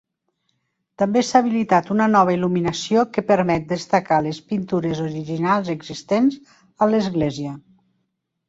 També s'ha habilitat una nova il·luminació que permet destacar les pintures originals existents a l’església.